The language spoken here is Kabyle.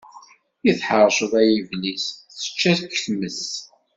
I tḥeṛceḍ ay iblis, tečča k-tmes.